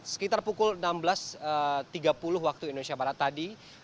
sekitar pukul enam belas tiga puluh waktu indonesia barat tadi